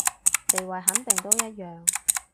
地位肯定都一樣